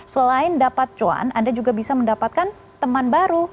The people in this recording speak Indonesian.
selain dapat cuan anda juga bisa mendapatkan teman baru